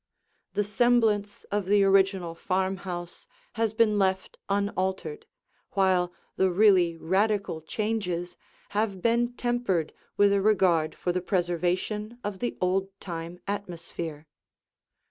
The semblance of the original farmhouse has been left unaltered, while the really radical changes have been tempered with a regard for the preservation of the old time atmosphere.